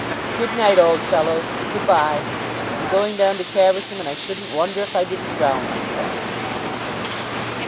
"Good night, old fellows; good bye. I'm going down to Caversham, and I shouldn't wonder if I didn't drown myself."